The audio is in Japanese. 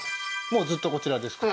もうずっとこちらですか？